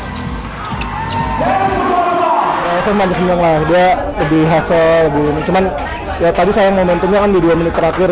dia lebih hustle cuman ya tadi sayang momentumnya kan di dua menit terakhir